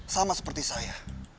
sama seperti saya